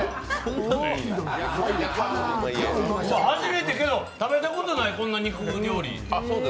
初めてやけど、食べたことないこんな肉料理。